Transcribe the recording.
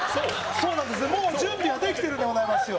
そうなんです、もう準備はできてるんでございますよ。